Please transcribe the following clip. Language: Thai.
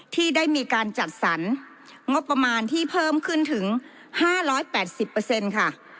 ที่ได้มีการจัดสรรงบประมาณที่เพิ่มขึ้นถึงห้าร้อยแปดสิบเปอร์เซ็นต์ค่ะ